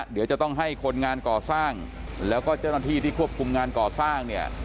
เดี๋ยวจะต้องให้คนงานก่อสร้างแล้วก็เจ้าหน้าที่ที่ควบคุมงานก่อสร้างเนี่ย